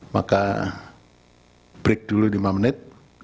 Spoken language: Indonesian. maka break dulu lima menit